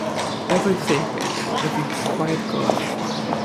Every thicket, every quiet corner.